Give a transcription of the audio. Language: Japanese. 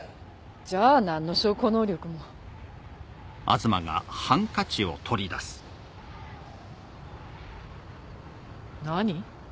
じゃあ何の証拠能力も何？